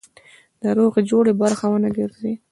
د روغې جوړې برخه ونه ګرځي.